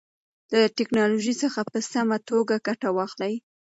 له ټیکنالوژۍ څخه په سمه توګه ګټه واخلئ.